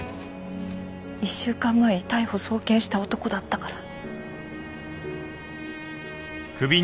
１週間前に逮捕送検した男だったから。